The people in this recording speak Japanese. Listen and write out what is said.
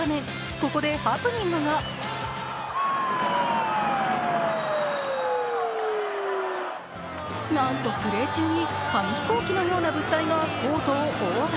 ここでハプニングがなんと、プレー中に紙飛行機のような物体がコートを横断。